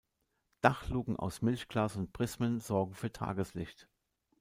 Dachluken aus Milchglas und Prismen sorgen für Tageslicht.